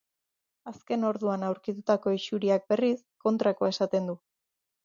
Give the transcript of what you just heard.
Azken orduan aurkitutako isuriak, berriz, kontrakoa esaten du.